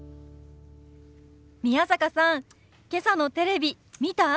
宮坂さんけさのテレビ見た？